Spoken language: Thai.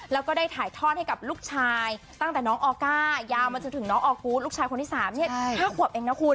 แล้วก็ได้ถ่ายทอดให้กับลูกชายตั้งแต่น้องออก้ายาวมาจนถึงน้องออกูธลูกชายคนที่๓๕ขวบเองนะคุณ